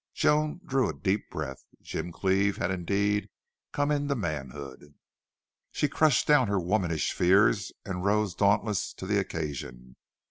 Joan drew a deep breath. Jim Cleve had indeed come into manhood. She crushed down her womanish fears and rose dauntless to the occasion.